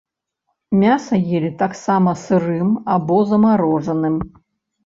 Мяса елі таксама сырым або замарожаным.